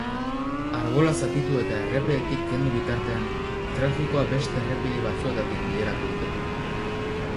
Arbola zatitu eta errepidetik kendu bitartean, trafikoa beste errepide batzuetatik bideratu dute.